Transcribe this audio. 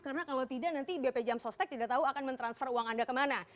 karena kalau tidak nanti bp jam sostek tidak tahu akan mentransfer uang anda kemana